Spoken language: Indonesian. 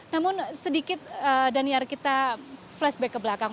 namun sedikit daniar kita flashback ke belakang